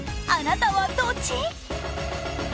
あなたはどっち？